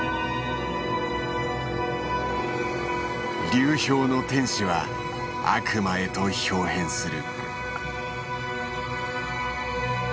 流氷の天使は悪魔へとひょう変する。